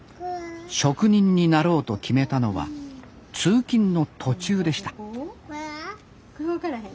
職人になろうと決めたのは通勤の途中でしたこれは？